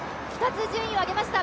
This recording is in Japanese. ２つ順位を上げました